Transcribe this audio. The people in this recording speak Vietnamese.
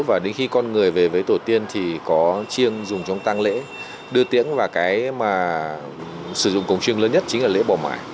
và đến khi con người về với tổ tiên thì có chiêng dùng trong tăng lễ đưa tiễn và cái mà sử dụng cổng chiêng lớn nhất chính là lễ bỏ ngoại